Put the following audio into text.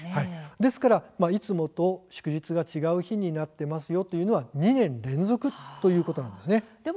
ですから、いつもと祝日が違う日になっていますというのは２年連続ということなんです。